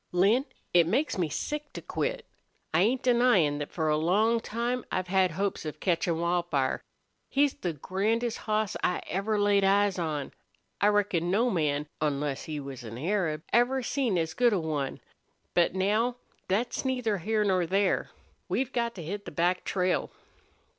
"Lin, it makes me sick to quit. I ain't denyin' thet for a long time I've had hopes of ketchin' Wildfire. He's the grandest hoss I ever laid eyes on. I reckon no man, onless he was an Arab, ever seen as good a one. But now thet's neither here nor there. ... We've got to hit the back trail."